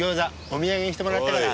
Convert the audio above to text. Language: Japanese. お土産にしてもらったから。